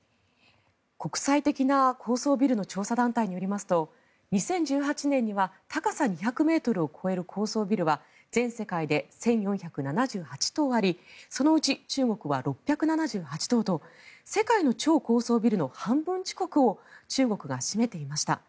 国際的な高層ビルの調査団体によりますと２０１８年には高さ２００ｍを超える高層ビルは全世界で１４７８棟ありそのうち中国は６７８棟と世界の超高層ビルの半分近くを中国が占めていました。